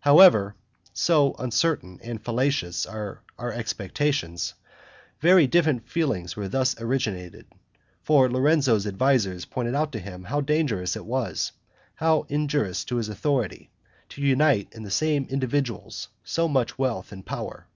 However (so uncertain and fallacious are our expectations), very different feelings were thus originated; for Lorenzo's advisers pointed out to him how dangerous it was, and how injurious to his authority, to unite in the same individuals so much wealth and power.